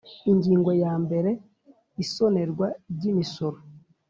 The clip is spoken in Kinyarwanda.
Ingingo ya mbere Isonerwa ry imisoro